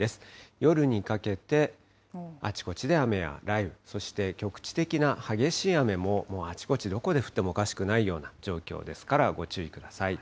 夜にかけて、あちこちで雨や雷雨、そして局地的な激しい雨も、あちこち、どこで降ってもおかしくないような状況ですから、ご注意ください。